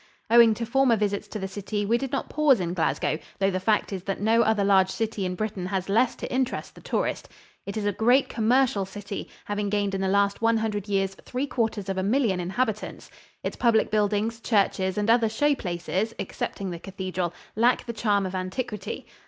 Owing to former visits to the city, we did not pause in Glasgow, though the fact is that no other large city in Britain has less to interest the tourist. It is a great commercial city, having gained in the last one hundred years three quarters of a million inhabitants. Its public buildings, churches, and other show places excepting the cathedral lack the charm of antiquity.